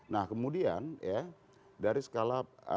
nah kemudian ya dari skala